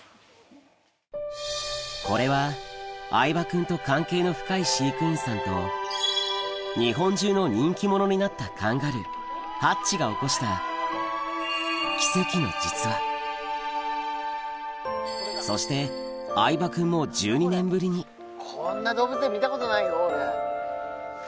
これは相葉君と関係の深い飼育員さんと日本中の人気者になったカンガルーハッチが起こしたそして相葉君もこんな動物園見たことないよ俺。